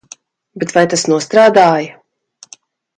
Bet vai tas nostrādāja?